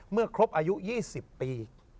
เมื่อครบอายุ๒๐ปี